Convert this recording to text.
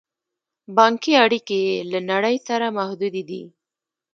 بانکي اړیکې یې له نړۍ سره محدودې دي.